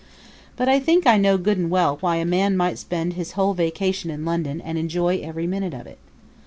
But I think I know, good and well, why a man might spend his whole vacation in London and enjoy every minute of it.